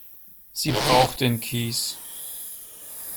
Sie braucht den Kies.